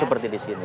seperti di sini